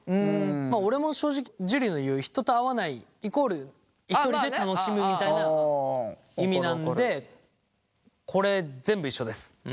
まあ俺も正直樹の言う人と会わないイコールひとりで楽しむみたいな意味なのでこれ全部一緒です。